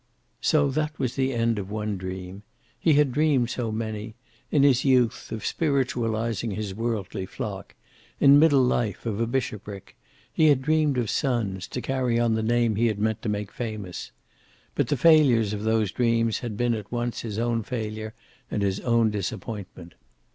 So that was the end of one dream. He had dreamed so many in his youth, of spiritualizing his worldly flock; in middle life, of a bishopric; he had dreamed of sons, to carry on the name he had meant to make famous. But the failures of those dreams had been at once his own failure and his own disappointment.